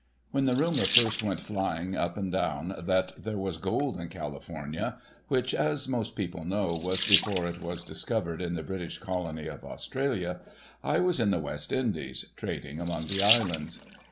When the rumour first went flying up and down that there was gold in California — which, as most people know, was before it was discovered in the British colony of Australia — I was in the West Indies, trading among the Islands.